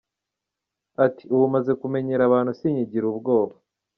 Ati: “Ubu maze kumenyera abantu sinkigira ubwoba.